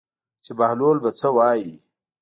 چې بهلول به څه وایي.